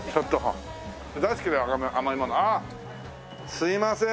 すいません。